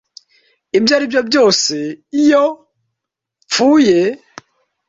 ibyo ari byo byose iyo mpfuye